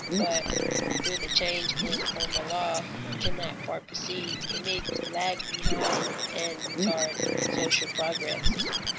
But though the change in formal law cannot far precede, it may lag behind and retard, social progress.